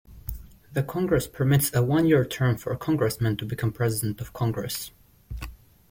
The Congress permits a one-year term for a Congressman to become President of Congress.